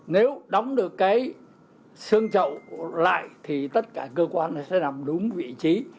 nếu đóng được cái xương chậu lại thì tất cả cơ quan nó sẽ nằm đúng vị trí